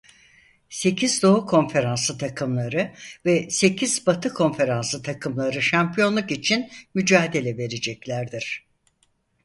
Sekiz doğu konferansı takımları ve sekiz batı konferansı takımları şampiyonluk için mücadele vereceklerdir.